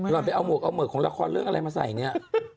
รอนไปเอาเหมาะของละครเรื่องอะไรมาใส่เนี้ย